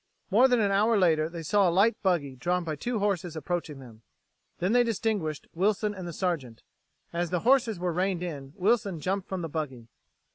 More than an hour later they saw a light buggy drawn by two horses approaching them; then they distinguished Wilson and the Sergeant. As the horses were reined in, Wilson jumped from the buggy.